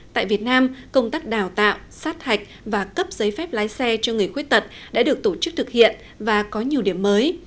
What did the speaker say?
tại việt nam công tác đào tạo sát hạch và cấp giấy phép lái xe cho người khuyết tật đã được tổ chức thực hiện và có nhiều điểm mới